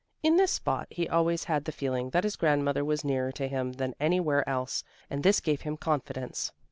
In this spot he always had the feeling that his grandmother was nearer to him than anywhere else, and this gave him confidence.